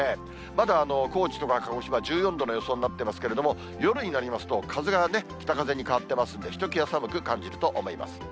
まだ高知とか鹿児島１４度の予想になってますけれども、夜になりますと、風が北風に変わってきますんで、ひときわ寒く感じると思います。